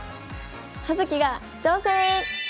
「葉月が挑戦！」。